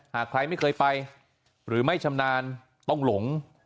หากใครไม่เคยไปหรือไม่ชำนาญต้องหลง